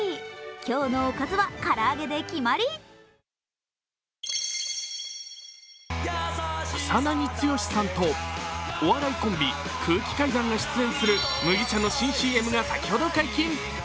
今日のおかずは、からあげで決まり草なぎ剛さんとお笑いコンビ・空気階段が出演する麦茶の新ＣＭが先ほど解禁！